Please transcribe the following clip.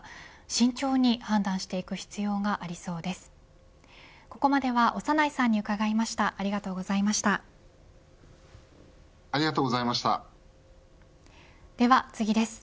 慎重に判断していく必要がありそうです。